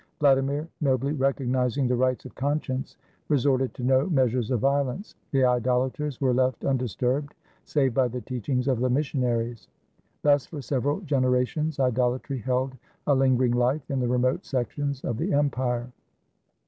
Vladimir, nobly recognizing the rights of conscience, re 33 RUSSIA sorted to no measures of violence. The idolaters were left undisturbed save by the teachings of the mission aries. Thus for several generations idolatry held a linger ing life in the remote sections of the empire.